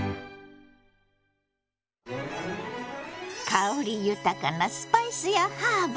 香り豊かなスパイスやハーブ。